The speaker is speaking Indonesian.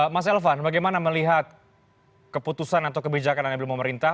mas elvan bagaimana melihat keputusan atau kebijakan anda